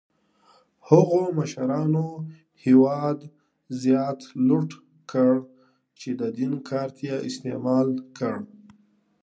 هغو مشرانو هېواد زیات لوټ کړ چې د دین کارت یې استعمال کړ.